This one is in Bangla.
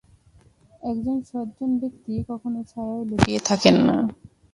একজন সজ্জন ব্যক্তি কখনও ছায়ায় লুকিয়ে থাকেন না।